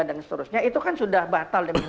dan seterusnya itu kan sudah batal